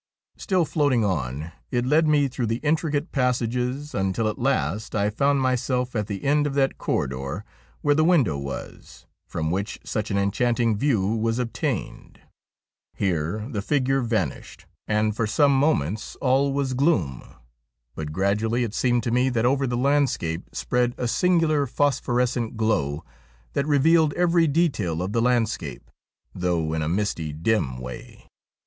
Still floating on it led me through the intricate passages until at last I found myself at the end of that corridor where the window was from which such an enchanting view was obtained. Here the figure vanished, and for some moments THE SPECTRE OF BARROCHAN 51 all was gloom, but gradually it seemed to me that over the landscape spread a singular phosphorescent glow that revealed every detail of the landscape, though in a misty dim way.